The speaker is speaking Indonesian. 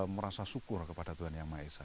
merasa syukur kepada tuhan yang maha esa